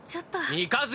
三日月